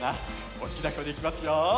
おっきなこえでいきますよ。